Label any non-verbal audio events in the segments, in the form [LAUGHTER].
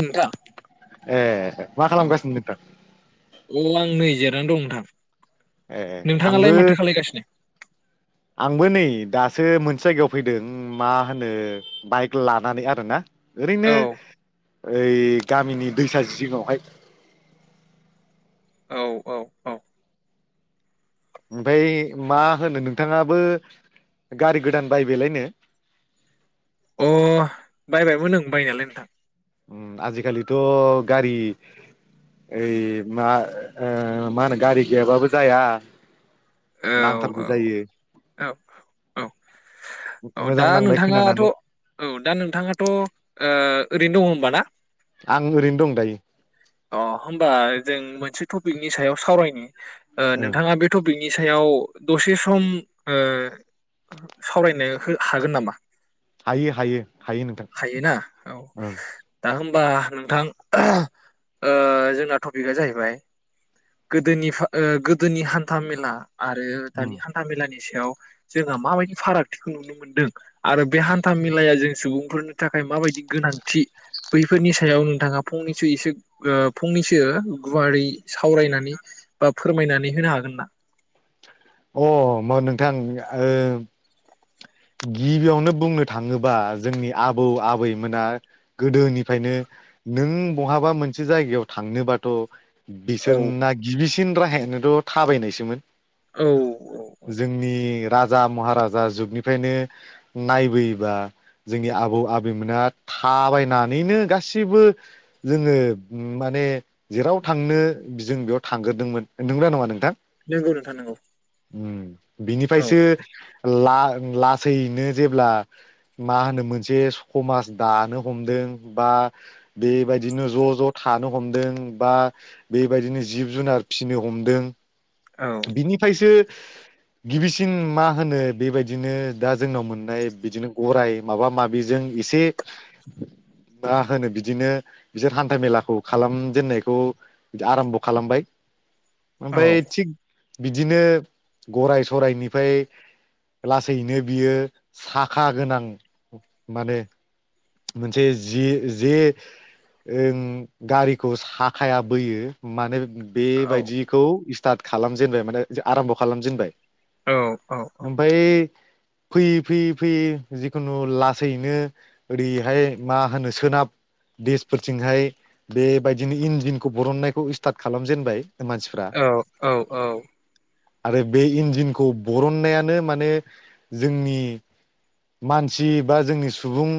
नोंथां ए मा अ खालामगासिनो नोंथां? जां दं नोंथां ए नोंथाङालाय आंबो माथो खालायगासिनो? आंबो नै दास सो मोनसे जायगायाव फैदों मा होनो बाइक लानानैहा आरोना ओरैनो औ ओइ गामिनि दैसा जिङावहाय औ औ औ ओमफाय मा होनो नोंथाङाबो गारि गोदान बायबायलायनो? अ बायबायमोन ओं बायनायालाय नोंथां उम आजिखालिथ' गारि ओय मा ओ मा होनो गारि गैयाबाबो जाया औ औ नांथारगौ जायो औ औ औ मोजां दा नांबाय नोंथाङाथ खोनानानै औ दा नोंथाङाथ ओ ओरैनो दङ होमबाना। आं ओरैनो दं दायो। अ होमबा जों मोनसे टपिकनि सायाव सावरायनि। ओ ओं नोंथाङा बे टपिकनि नि सायाव दसे सम ओ सावरायनो हागोन नामा? हायो हायो हायो नोंथां ओं। बा नोंथां ओ जोंना टपिका जाहैबाय गोदोनि गोदोनि हान्था मेला आरो दानि हान्था मेलानि सायाव जोंहा माबायदि फारागथिखौ नुनो मोनदों आरो बे हान्था मेेलाया जों सुबुंफोरनि थाखाय माबायदि गोनांथि बैफोरनि सायाव नोंथाङा फंनैसो एसे ओ फंनैसो गुवारै सावरायनानै बा फोरमायनानै होनो हागोन ना? अ मो नोंथां ओं गिबियावनो बुंनो थाङोबा जोंनि आबौ आबैमोना गोदोनिफ्रायनो नों बहाबा मोनसे जायगायाव थांनोबाथ' औ बिसोर ना गिबि फिन राहायानोथ' थाबायनायसोमोन। औ औ जोंनि राजा महाराजा जुग निफ्रायनो नायबोयोबा जोंनि आबौ आबैमोना थाबायनानैनो गासिबो जोङो माने जेराव थांनो जों बेयाव थांग्रोदोंमोन नंगौना नङा नोंथां? नोंगौ नोंथां नोंगौ। उम बिनिफ्रायसो ला लासैनो जेब्ला मा होनो मोनसे समाज दानो हमदों बा बेबायदिनो ज' ज' थानो हमदों बा बेबायदिनो जिब जुनार फिसिनो हमदों औ बिनिफ्रायसो गिबिसिन मा होनो बेबायदिनो दा जोंनाव मोननाय बिदिनो गराय माबा माबिजों एसे मा होनो बिदिनो बिसोर हान्था मेलाखौ खालामजेननायखौ आरामब खालामबाय। औ आमफ्राय थिग बिदिनो गराय सरायनिफ्राय लासैनो बियो साखा गोनां माने मोनसे जि जे ओं गारिखौ साखाया बोयो माने बे औ औ बायदिखौ खालामजेनबाय माने आरामब खालामजेनबाय औ ओमफ्राय फैयै फैयै फैयै जिखुनु लासैनो ओरैहाय मा होनो सोनाब देसफोरथिंहाय बेबायदिनो इन्जिनखौ बरननायखौ स्टार्ट खालामजेनबाय मानसिफ्रा औ औ। औ। आरो बे इन्जिनखौ बरननायानो माने जोंनि मानसि बा जोंनि सुबुं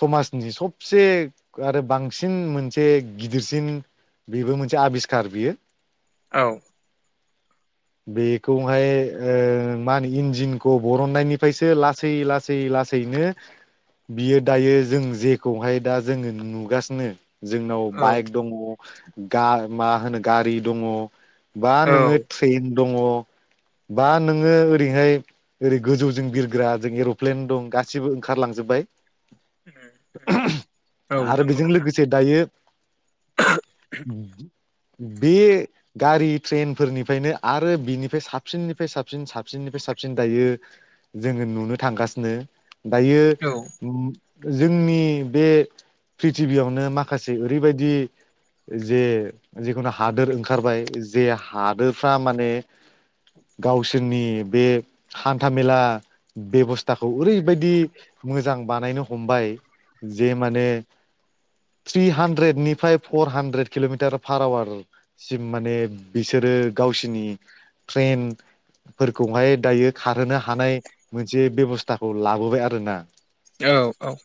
समाजनि सबसे आरो बांसिन मोनसे गिदिरसिन बेबो मोनसे आबिस्कार बियो। औ बेखौहाय ओ मा होनो इन्जिनखौ बरननायनिफ्रायसो लासै लासै लासैनो बियो दायो जों जेखौहाय दा जोङो नुगासिनो जोंनाव औ बाइक दङ। गा मा होनो गारि दङ। बा औ नोङो थ्रेन दङ बा नोङो ओरैहाय ओरै गोजौजों बिरग्रा जों एरप्लेन दं गासिबो ओंखारलांजोबबाय। औ आरो नंगौ बेजों नोंथां लोगोसे दायो उमहो [INAUDIBLE] बे गारि ट्रेनफोरनिफ्रायनो आरो बिनिफ्राय साबसिननिफ्राय साबसिन साबसिननिफ्राय साबसिन दायो जोङो नुनो थांगासिनो। दायो औ उम जोंनि बे प्रिथिबियावनो माखासे ओरैबायदि जे जिखुनु हादोर ओंखारबाय। जे हादोरफ्रा माने गावसोरनि बे हान्थामेला बेबस्थाखौ ओरैबायदि मोजां बानायनो हमबाय जे माने थ्रि हानद्रेदनिफ्राय फर हानद्रेद किलमिटार पार आवार सिम माने बिसोरो गावसिनि ट्रेन फोरखौहाय दायो खारहोनो हानाय मोनसे बेबस्थाखौ लाबोबाय आरो ना औ औ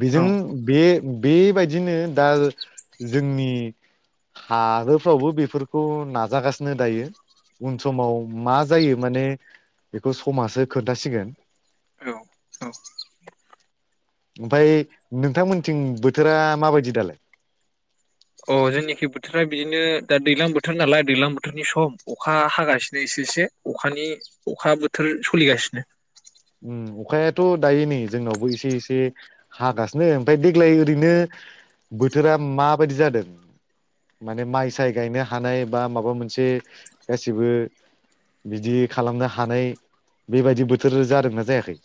बेजों औ बे बे बेबायदिनो दा जोंनि हारोब फ्रावबो बेफोरखौ नाजागासिनो दायो उन समाव मा जायो माने बेखौ समासो खोथासिगोन। औ औ ओमफाय नोंथांमोनथिं बोथोरा माबायदि दालाय? अ जोंनिखि बोथोरा बिदिनो दा दैलां बोथोर नालाय दैलां बोथोरनि सम अखा हागासिनो एसे एसे अखानि अखा बोथोर सलिगासिनो। थ' दायो नै जोंनावबो एसे एसे हागासिनो ओमफाय देग्लाय ओरैनो बोथोरा माबायदि जादों माने माइ साय गायनो हानाय बा माबा मोनसे गासिबो बिदि खालामनो हानाय बेबायदि बोथोर जादों। ना जायाखै?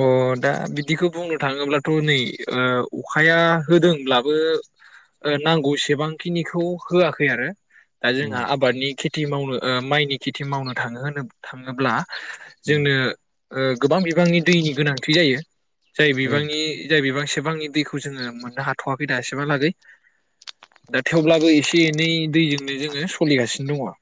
अ दा बिदिखौ बुंनो थाङोब्लाथ' नै ओ अखाया होदोंब्लाबो ओ नांगौसेबांखिनिखौ होआखै आरो दा उम जोंहा आबादनि खेथि मावनो ओ माइनि खेथि मावनो थाङो होनोब थाङोब्ला उम जोंनो ओ गोबां बिबांनि दैनि गोनांथि जायो। जाय ओं बिबांनि जाय बिबां सेब बांनि दैखौ जोङो मोननो हाथ'वाखै दा एसेब हालागै दा थेवब्लाबो एसे एनै दैजोंनो जोङो सलिगासिनो दङ।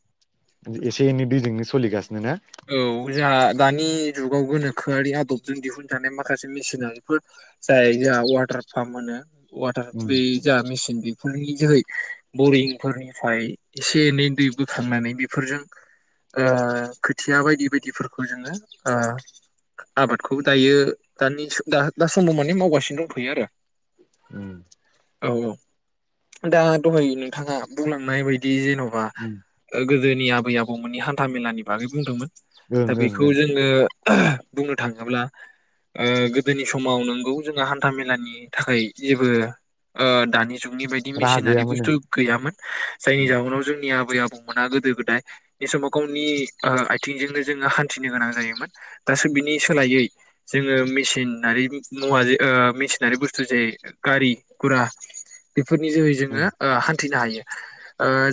जो एसे एनै दैजोंनो सलिगासिनो ना? औ जोंहा दानि जुगाव गोनोखोआरि आदबजों दिहुनजानाय माखासे मेसिनारिफोर जाय जोंहा वाटार पाम्प होनो। वाटार उम बे जा मेसिन बे फोरनि जोहै बरिंफोरनिफ्राय एसे एनै दै बोखांनानै बेफोरजों ओ खोथिया बायदि बायदिफोरखौ जोङो ओ आबादखौ दायो दानिस दा दा समाव माने मावगासिनो दंफैयो आरो उम औ औ दा दहाय नोंथाङा बुंलांनाय बायदि जेन'ब बा उम ओ गोद दोनि आबै आबौमोननि हान्था मेलानि बागै बुंदोंमोन। ओं दा ओं बेखौ ओं जोङो बुंनो थाङोब्ला ओ गोदोनि समाव नोंगौ जोंहा हान्था मेलानि थाखाय जेबो ओ दानि जुग जुगनि बायदि राहा मेसिनारि गैयामोन बुस्थु ओं गैयामोन जायनि उम जाउनाव जोंनियाव आबै आबौ बुंमोना गोदो गोदाय बे समाव गावनि। आथिंजोंनो जोङो हान्थिनो गोनां जायोमोन दासो बिनि सोलायै जोङो मेसिनारि मुवा मेसिनारि बुस्थु जे गारि गुरा बेफोरनि जोहै ओं जोङो ओ। नो हायो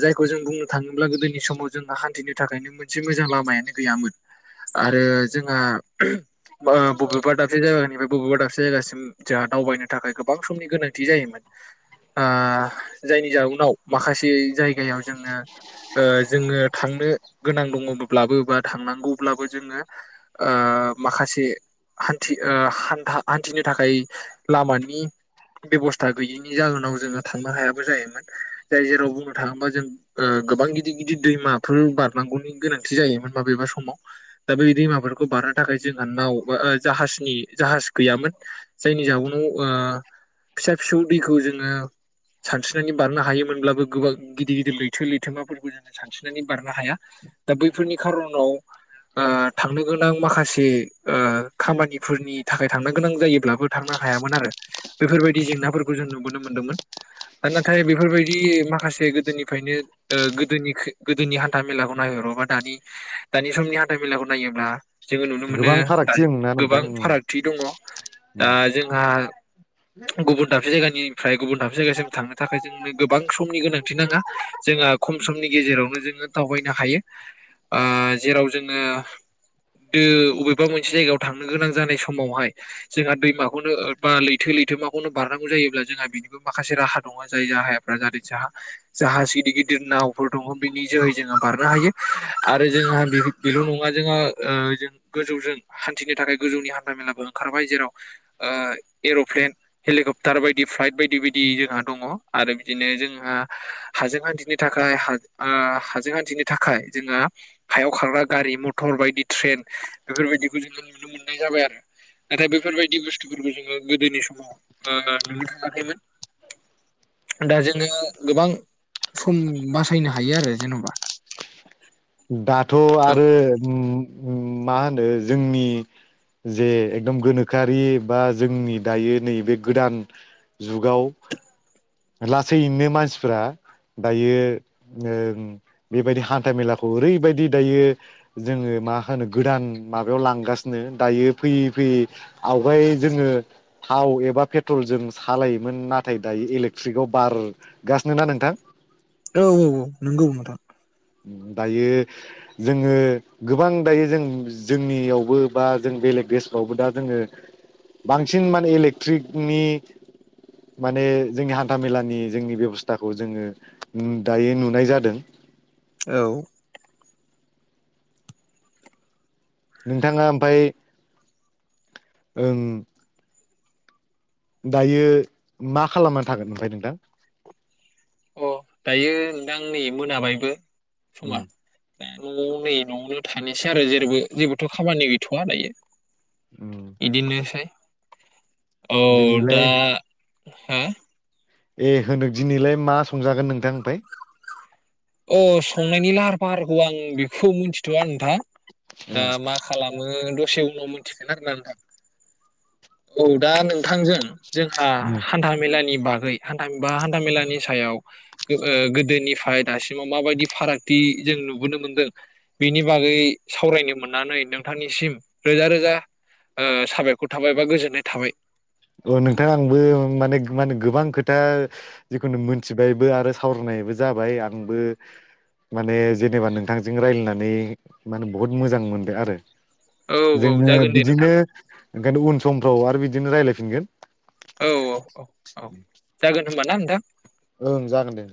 जायखौ जों बुंनो थाङोब्ला गोदोनि समाव जोंङो हान्थिनो थाखायनो मोनसे मोजां लामायानो गैयामोन आरो जोंहा बा बेबा दासे जायगा बबेबा दाबसे जायगासिम जोंहा दावबायनो थाखाय गोबां समनि गोनांथि जायोमोन आ जायनि जाउनाव माखासे जायगायाव जोङो ओ जोङो थांनो। गोनां दङब्लाबो बा थांनांगौब्लाबो जोङो ओ माखासे हान्थि हान्था हान्थिनो थाखाय लामानि बेब'स्था गैयैनि जाहोनाव जोङो थांनो हायाबो जायोमोन जाय जेराव बुंनो थाङोबा जों ओ गोबां गिदिर गिदिर दैमाफोर बार बारनांगौनि गोनांथि जायोमोन माबेबा समाव दा बे दैमाफोरखौ बारनो थाखाय जोंहा नाव जाहाजनि जाहाज गैयामोन जायनि जाउनाव फिसा फिसौ दैखौ जोङो सानस्रिनानै बारनो हायोमोनब्लाबो गोबां गिदिर गिदिर लैथो लैथोमाफोरखौ जोङो सानस्रिनानै बारनो हाया दा बैफोरनि खार'नाव थांनो गोनां माखासे खामानिफोरनि थाखाय थांनो गोनां जायोब्लाबो थांनो हायामोन आरो बेफोरबायदि जेंनाफोरखौ जों नुबोनो मोनदोंमोन दा नाथाय बेफोरबायदि माखासे गोदोनिफ्रायनो गोदोनि गोदोनि हान्था मेलाखौ नायहरोबा दानि समनि हान्था मेलाखौ नायोब्ला जोङो नुनो मोनो गोबां दा फारागथि दंना गोबां नोंथां उम फारागथि दङ दा उम जोंहा गुबुन दाबसे जायगानि फ्राय गुबुनाबसे जायगासिम थांनो थाखाय जोंनो गोबां समनि गोनांथि नाङा जोंहा खम समनि गेजेरावनो जोङो दाव हायो ओ जेराव जोङो दो अबेबा मोनसे जायगायाव थांनो गोनां जानाय समावहाय जोंहा दैमाखौनो बा लैथो लैथो माखौनो बारनांगौ जायोब्ला जोंहा बेनिबो माखासे राहा दङ जाय राहायाफ्रा जादों जोंहा जाहाज गिदिर गिदिर नावफोर दङ बिनि जोहै जोङो बारनो हायो आरो जोंहा बेल' नङा जोहा जों गोजौजों हान्थिनो थाखाय गोजौनि हान्था मेलाबो ओंखारबाय जेराव एर'प्लेन हेलिकप्टार बायदि फ्लाइट बायदि बायदि जोंहा दङ आरो बिदिनो जोंहा हाजों हान्थिनो थाखाय हाजों बिदिनि थाखाय जोंङहा हायाव खारग्रा गारि मथर बायदि ट्रेन बेफोरबायदिखौ जोङो नुनो मोननाय जाबाय आरो नाथाय बेफोरबायदि बुस्थुफोरखौ जोङो गोदोनि समाव नुनो थाखैमोन दा जोङो गोबां सम बासायनो हायो आरो जेन'बा दाथ' औ आरो उम उम मा होनो जोंनि जे एकदम गोनोखोआरि बा जोंनि दायो नैबे गोदान जुगाव लासैैनो मानसिफ्रा दायो ओ बेबायदि हान्था मेलाखौ ओरैबायदि दायो जोङो मा होनो गोदान माबायाव लांगासिनो दायो फैयै फैयै आवगाय जोङो थाव एबा पेट्रल जों सालायोमोन नाथाय दायो इलेट थ्रिकआव बारगासिनो ना नोंथां औ औ औ नंगौ नोंथां। दायो जोङो गोबां दायो जों जोंनियावबो बा जों बेलेग देसफ्रावबो दा जोङो बांसिन माने इलेक्ट्रिकनि माने जोंनि हान्थ मेलानि जोंनि बेबस्थाखौ जोङो दायो नुनाय जादों औ। नोंथाङा ओमफ्राय ओं। दायो मा खालामनानै थागोन ओमफ्राय नोंथां। अ दायो नोंथां नै मोनाबायबो। उम समा। न'आव नै न'आवनो थानोसै आरो जेबोथ खामानि गैथ'वा दायो। उम इदिननोसै। औ दिनैलाय दा। हा। ए होदों दिनैलाय मा संजागोन नोंथां ओमफ्राय। अ संनायनि लाहार फाहार औ आं बेखौ मिनथि थआ हा दा मा खालामो दसे उनाव मोन मिथिगोन आरोना नोंथां औ दा नोंथांजों जोंहा ओ हान्था मेलानि बागै हान्था बा हान्थामेलानि सायाव ओ गोदोनिफ्राय दासिमाव माबायदि फारागथि जों नुबोनो मोनदों बेनि बागै सावरायनो मोननानै नोंथांनिसिम रोजा रोजा ओ साबायखर थाबाय बा गोजोननाय थाबाय ओ नोंथां आंबो माने माने गोबां खोथा जिकुनो मोनथिबायबो आरो सावरायनायबो जाबाय आंबो माने जेनेबा नोंथांजों रायजलायनानै माने बहुत मोजां मोनदों आरो औ औ जोङो जागोन दे नोंथां बिदिनो ओंखायनो उन समफ्राव आरो बिदि जोंडो रायलायफिन फिनगोन औ औ औ औ जागोन ओमबाना नोंथां ओं जागोन दे